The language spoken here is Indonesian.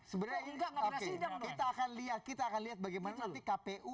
sebenarnya kita akan lihat bagaimana nanti kpu